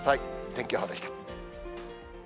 天気予報でした。